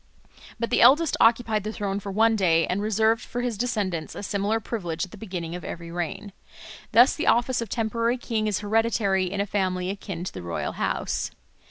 But the eldest occupied the throne for one day, and reserved for his descendants a similar privilege at the beginning of every reign. Thus the office of temporary king is hereditary in a family akin to the royal house.